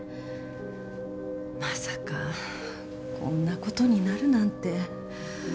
まさかこんなことになるなんて。